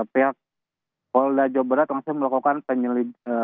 pihak polajabarat langsung melakukan penyelidikan